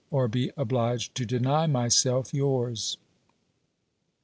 or be obliged to deny myself yours.